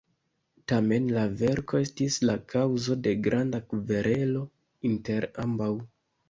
Tamen la verko estis la kaŭzo de granda kverelo inter ambaŭ.